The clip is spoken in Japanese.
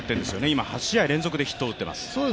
今、８試合連続でヒットを打っています。